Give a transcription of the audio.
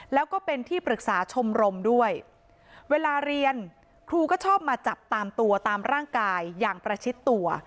แล้วก็เป็นที่ปรึกษาชมรมด้วยเวลาเรียนครูก็ชอบมาจับตามตัวตามร่างกายอย่างประชิดตัว